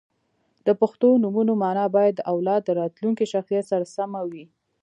• د پښتو نومونو مانا باید د اولاد د راتلونکي شخصیت سره سمه وي.